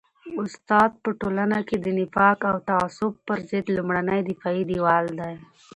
استاد په ټولنه کي د نفاق او تعصب پر ضد لومړنی دفاعي دیوال دی.